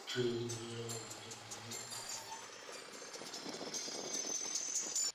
প্রিয়াঙ্কা গান্ধীর স্বামী রবার্ট ভদ্রের তীব্র সমালোচনাসূচক একটি ভিডিওচিত্র প্রকাশ করেছে বিজেপি।